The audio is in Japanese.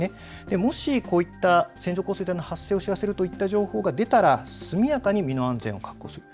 もしこういった線状降水帯の発生を知らせるという情報が出たら速やかに身の安全を確保する。